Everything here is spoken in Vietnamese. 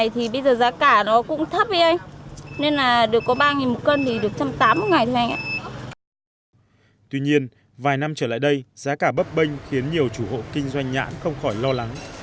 tuy nhiên vài năm trở lại đây giá cả bấp bênh khiến nhiều chủ hộ kinh doanh nhãn không khỏi lo lắng